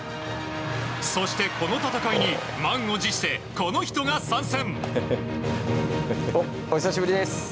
そして、この戦いに満を持してこの人が参戦！